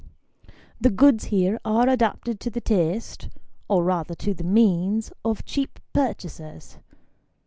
The goods here are adapted to the taste, or rather to the means, of cheap purchasers.